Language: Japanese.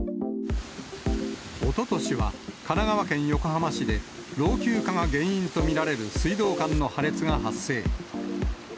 おととしは神奈川県横浜市で老朽化が原因と見られる水道管の破裂が発生。